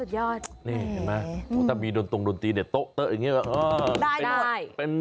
นี่เห็นไหมถ้ามีดนตรงดนตรีเนี่ยโต๊ะอย่างนี้